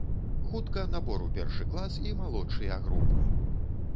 Хутка набор у першы клас і малодшыя групы!